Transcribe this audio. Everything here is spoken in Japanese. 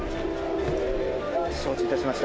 承知いたしました。